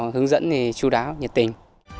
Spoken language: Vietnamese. hướng dẫn thì chú đáo nhiệt tình